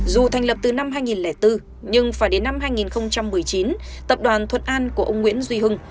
dù thành lập từ năm hai nghìn bốn nhưng phải đến năm hai nghìn một mươi chín tập đoàn thuận an của ông nguyễn duy hưng